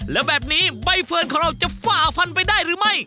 แล้วแบบนี้ใบเฟิร์นของเราจะฝ่าฟันไปได้หรือไม่